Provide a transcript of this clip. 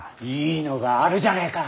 いいのがあるじゃねえか。